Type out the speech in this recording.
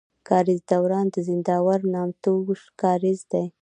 کاريز دوران د زينداور نامتو کاريز دی.